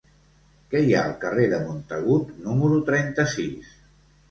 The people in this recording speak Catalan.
Què hi ha al carrer de Montagut número trenta-sis?